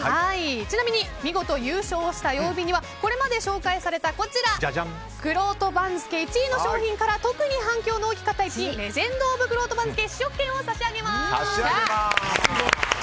ちなみに見事優勝した曜日にはこれまで紹介されたくろうと番付１位の商品から特に反響の大きかったレジェンド・オブ・くろうと番付試食券を差し上げます。